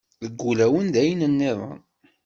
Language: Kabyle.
Deg ulawen d ayen nniḍen.